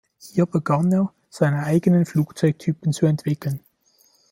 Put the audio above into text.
Hier begann er seine eigenen Flugzeugtypen zu entwickeln.